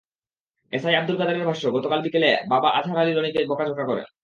SI Abdul কাদেরের ভাষ্য, গতকাল বিকেলে বাবা আজহার আলী রনিকে বকাঝকা করেন।